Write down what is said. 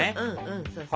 うんうん。